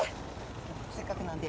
せっかくなんで。